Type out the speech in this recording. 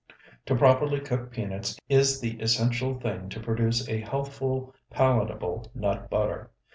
To properly cook peanuts is the essential thing to produce a healthful, palatable nut butter.